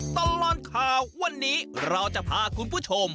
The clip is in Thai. ตลอดข่าววันนี้เราจะพาคุณผู้ชม